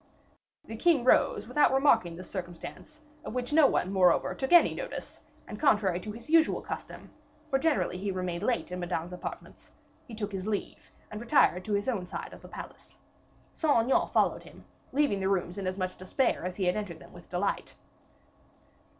The king rose, without remarking this circumstance, of which no one, moreover, took any notice, and, contrary to his usual custom, for generally he remained late in Madame's apartments, he took his leave, and retired to his own side of the palace. Saint Aignan followed him, leaving the rooms in as much despair as he had entered them with delight.